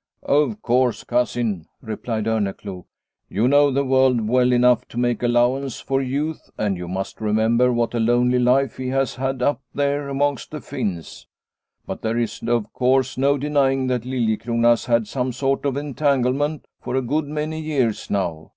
" Of course, Cousin," replied Orneclou, " you know the world well enough to make allowance Ensign Orneclou 181 for youth, and you must remember what a lonely life he has had up there amongst the Finns. But there is, of course, no denying that Liliecrona has had some sort of entangle ment for a good many years now.